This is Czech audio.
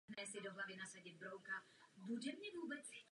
Často je slyšet jeho hlas prostřednictvím dabingu.